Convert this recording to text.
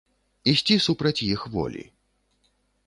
Ісці супраць іх волі.